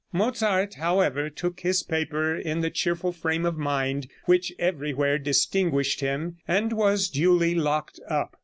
Mozart, however, took his paper in the cheerful frame of mind which everywhere distinguished him, and was duly locked up.